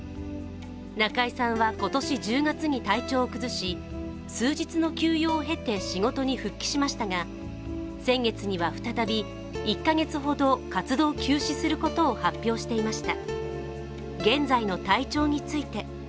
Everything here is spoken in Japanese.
中居さんは今年１０月に体調を崩し数日の休養を経て仕事に復帰しましたが、先月には再び１か月ほど活動休止することを発表していました。